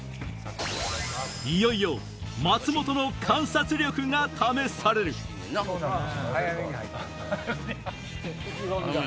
いよいよ松本の観察力が試される早めに入った。